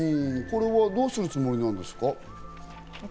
これはどうするつもりなんですか？